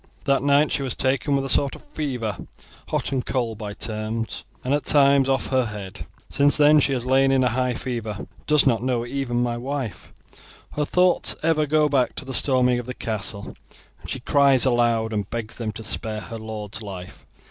That night she was taken with a sort of fever, hot and cold by turns, and at times off her head. Since then she has lain in a high fever and does not know even my wife; her thoughts ever go back to the storming of the castle, and she cries aloud and begs them to spare her lord's life.